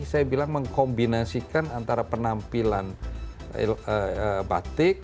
saya bilang mengkombinasikan antara penampilan batik